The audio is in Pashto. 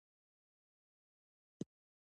د میرمنو کار د ښځو عاید لوړولو مرسته کوي.